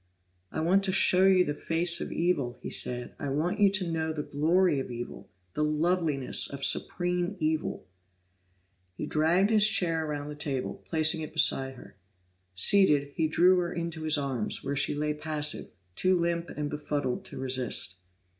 "I want to show you the face of evil," he said. "I want you to know the glory of evil, the loveliness of supreme evil!" He dragged his chair around the table, placing it beside her. Seated, he drew her into his arms, where she lay passive, too limp and befuddled to resist.